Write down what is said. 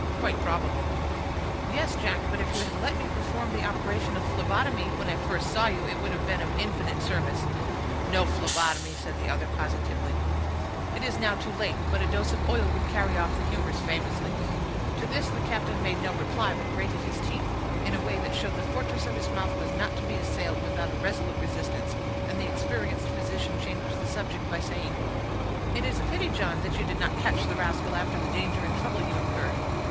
"Quite probable." "Yes, Jack, but if you had let me perform the operation of phlebotomy when I first saw you, it would have been of infinite service." "No phlebotomy," said the other, positively. "It is now too late; but a dose of oil would carry off the humors famously." To this the captain made no reply, but grated his teeth, in a way that showed the fortress of his mouth was not to be assailed without a resolute resistance; and the experienced physician changed the subject by saying,— "It is a pity, John, that you did not catch the rascal, after the danger and trouble you incurred."